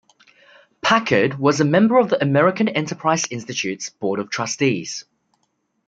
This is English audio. Packard was a member of the American Enterprise Institute's board of trustees.